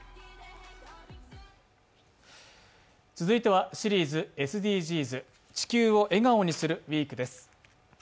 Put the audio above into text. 続いてはシリーズＳＤＧｓ「地球を笑顔にするＷＥＥＫ」です。